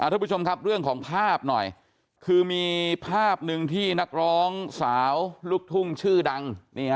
ทุกผู้ชมครับเรื่องของภาพหน่อยคือมีภาพหนึ่งที่นักร้องสาวลูกทุ่งชื่อดัง